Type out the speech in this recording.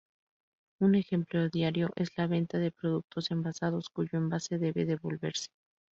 Un ejemplo diario es la venta de productos envasados cuyo envase debe devolverse.